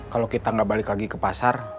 kalau kita nggak balik lagi ke pasar